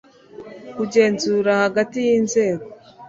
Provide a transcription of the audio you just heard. kugenzurana hagati y inzego